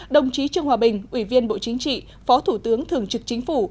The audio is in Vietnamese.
đồng chí trương hòa bình ủy viên bộ chính trị phó thủ tướng thường trực chính phủ